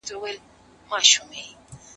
روښانه راتلونکی زموږ په لاس کي دی.